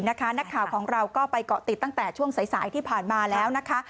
นักข่าวของเราก็ไปเกาะติดตั้งแต่ช่วงสายที่ผ่านมาแล้วนะคะ